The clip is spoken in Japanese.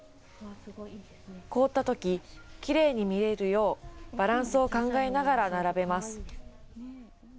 凍ったとき、きれいに見えるよう、バランスを考えながら並べます。